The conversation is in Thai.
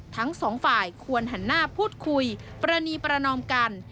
ทั้งสองฝ่ายควรหันหน้าพูดคุยปรณีประนอมกัน